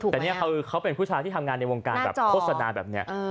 แต่เขาเป็นผู้ชายที่ทำงานในวงการโฆษณาแบบนี้